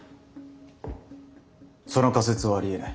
その仮説はありえない。